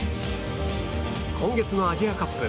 今月のアジアカップ。